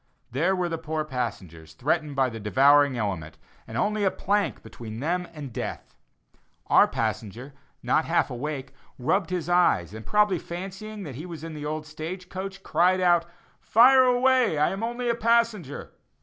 There were the poor passengers, threatened by the devouring element, and only a plank between them and death. Our passenger, not half awake, rubbed his eyes and probably fancying he was in the old stage coach, cried out: "Fire away, I am only a passenger!"